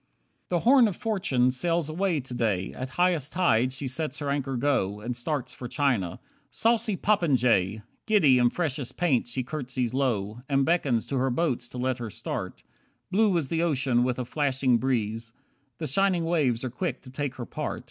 22 The "Horn of Fortune" sails away to day. At highest tide she lets her anchor go, And starts for China. Saucy popinjay! Giddy in freshest paint she curtseys low, And beckons to her boats to let her start. Blue is the ocean, with a flashing breeze. The shining waves are quick to take her part.